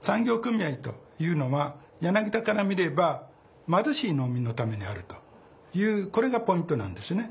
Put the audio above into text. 産業組合というのは柳田から見れば貧しい農民のためにあるというこれがポイントなんですね。